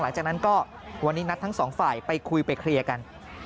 หลังจากนั้นก็วันนี้นัดทั้งสองฝ่ายไปคุยไปเคลียร์กัน